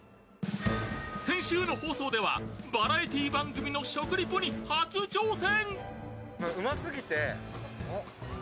先週の放送ではバラエティー番組の食リポに初挑戦。